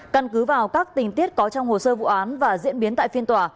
căn cứ vào các tình tiết có trong hồ sơ vụ án và diễn biến tại phiên tòa